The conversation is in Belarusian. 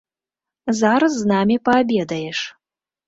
Зараз з намі паабедаеш.